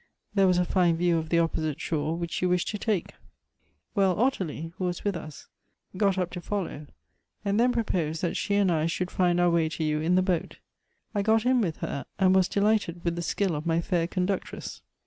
There was a fine view of the opposite shore which you wished to take. Well, Ottilie, who was with us, got up to fol low ; and then proposed that she and I should find our way to you in the boat. I got in with her, and was delighted with the skill of my fair conductress.